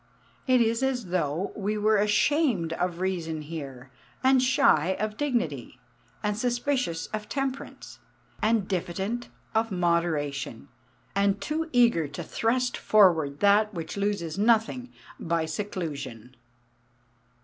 It is as though we were ashamed of reason here, and shy of dignity, and suspicious of temperance, and diffident of moderation, and too eager to thrust forward that which loses nothing by seclusion.